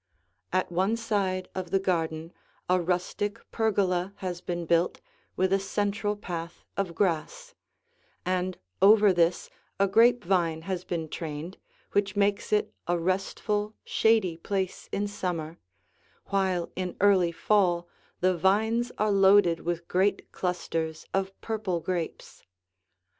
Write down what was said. At one side of the garden a rustic pergola has been built with a central path of grass, and over this a grapevine has been trained which makes it a restful, shady place in summer, while in early fall the vines are loaded with great clusters of purple grapes.